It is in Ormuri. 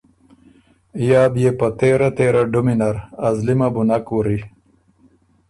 یا بيې په تېره تېره ډُمی نر۔ ازلی مه بُو نک وُری“۔